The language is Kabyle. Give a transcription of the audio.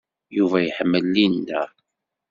Yuba iḥemmel Linda.